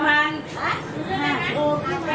มันจะเจ็บไง